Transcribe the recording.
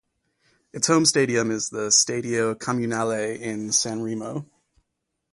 Its home stadium is the Stadio Comunale in Sanremo.